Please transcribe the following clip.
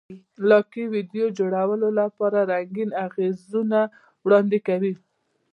لایکي د ویډیو جوړولو لپاره رنګین اغېزونه وړاندې کوي.